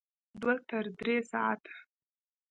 دوه تر درې ساعته